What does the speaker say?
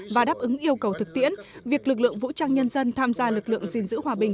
và đáp ứng yêu cầu thực tiễn việc lực lượng vũ trang nhân dân tham gia lực lượng gìn giữ hòa bình